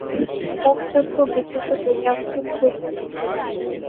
মুখ চক্ষু বিকৃত করিয়া চুপ করিয়া বসিয়া থাকিতেন।